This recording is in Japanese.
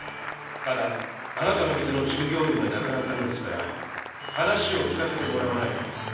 ただあなたの店の従業員が亡くなったのですから話を聞かせてもらわないと。